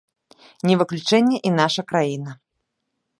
Не выключэнне і наша краіна.